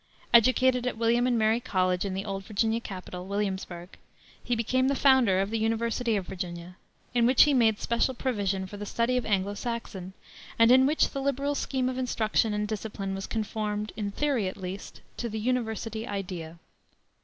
Educated at William and Mary College in the old Virginia capital, Williamsburg, he became the founder of the University of Virginia, in which he made special provision for the study of Anglo Saxon, and in which the liberal scheme of instruction and discipline was conformed, in theory at least, to the "university idea."